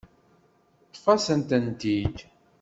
Ṭṭef-asent-tent-id.